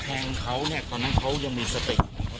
ถูกเขาทำร้ายร่างกายมากี่สักครั้งแล้ว